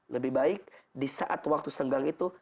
lebih baik disaat waktu senggang itu